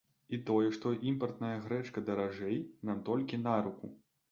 І тое, што імпартная грэчка даражэе, нам толькі на руку!